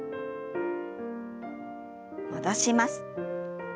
戻します。